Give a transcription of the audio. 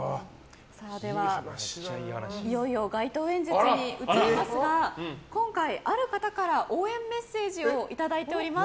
いよいよ街頭演説に移りますが今回、ある方から応援メッセージをいただいております。